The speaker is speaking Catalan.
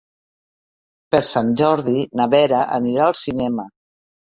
Per Sant Jordi na Vera anirà al cinema.